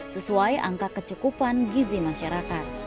sesuai angka kecukupan gizi masyarakat